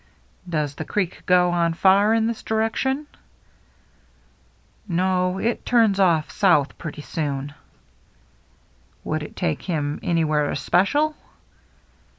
" Does the creek go on far iri this direction ?"" No, it turns ofF south pretty soon." " Would it take him anywhere especial